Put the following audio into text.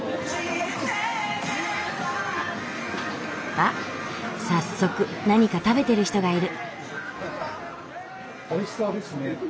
あっ早速何か食べてる人がいる。